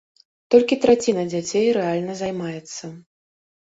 Толькі траціна дзяцей рэальна займаецца.